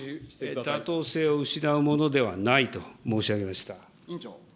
妥当性を失うものではないと申し上げました。